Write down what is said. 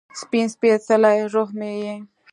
سپین سپيڅلې روح مې یې